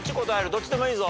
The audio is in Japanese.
どっちでもいいぞ。